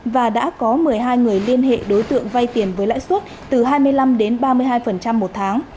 và đã có một mươi hai người liên hệ đối tượng vay tiền với lãi suất từ hai mươi năm đến ba mươi hai một tháng